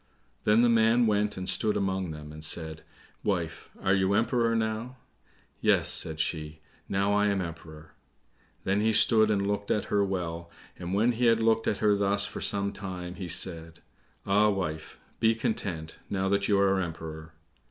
Then the man went and stood among them, and said, "Wife, are you Emperor now?" "Yes," said she, "now I am Emperor." Then he stood and looked at her well, and when he had looked at her thus for some time, he said, "Ah, wife, be content, now that you are Emperor."